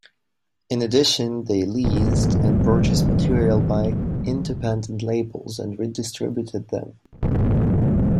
In addition, they leased and purchased material by independent labels and redistributed them.